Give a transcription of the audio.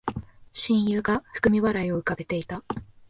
親友が含み笑いを浮かべていた